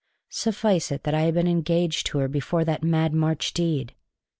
Suffice it that I had been engaged to her before that mad March deed.